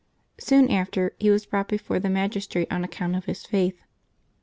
Soon after, he was brought before the magistrate on account of his faith.